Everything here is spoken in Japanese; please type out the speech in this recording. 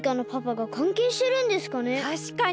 たしかに！